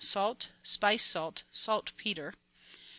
— Salt, spiced salt, saltpetre.